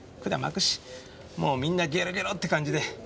もうみんなゲロゲロって感じで。